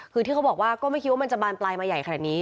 ไม่รู้ว่ามันจะบานปลายมาใหญ่ขนาดนี้